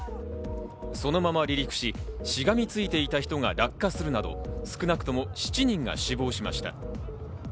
そのまま離陸し、しがみついていた人が落下するなど少なくとも７人が死亡しました。